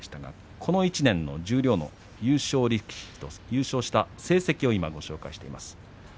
この１年の十両の優勝をした成績をご紹介しています。